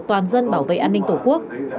toàn dân bảo vệ an ninh tổ quốc